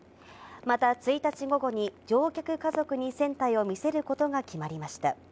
また１日午後に、乗客家族に船体を見せることが決まりました。